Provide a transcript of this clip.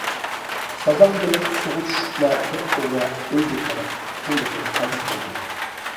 سازاڭ بېلىق سۇغا چۈشۈپلا توپتوغرا ئۆيگە قاراپ قۇيرۇقىنى خادا قىلدى.